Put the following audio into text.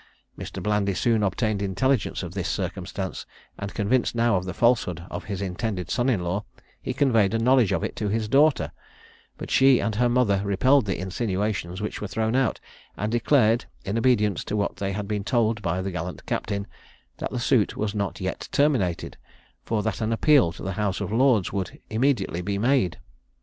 Mr. Blandy soon obtained intelligence of this circumstance, and convinced now of the falsehood of his intended son in law, he conveyed a knowledge of it to his daughter; but she and her mother repelled the insinuations which were thrown out, and declared, in obedience to what they had been told by the gallant captain, that the suit was not yet terminated, for that an appeal to the House of Lords would immediately be made.